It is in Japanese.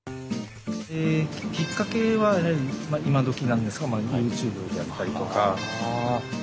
きっかけは今どきなんですがＹｏｕＴｕｂｅであったりとか。は。